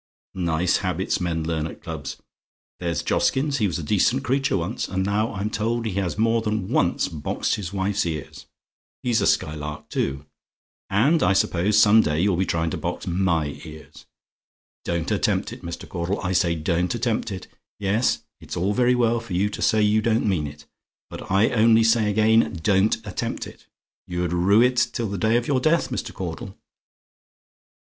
"Nice habits men learn at clubs! There's Joskins: he was a decent creature once, and now I'm told he has more than once boxed his wife's ears. He's a Skylark too. And I suppose, some day, you'll be trying to box MY ears? Don't attempt it, Mr. Caudle; I say don't attempt it. Yes it's all very well for you to say you don't mean it, but I only say again, don't attempt it. You'd rue it till the day of your death, Mr. Caudle.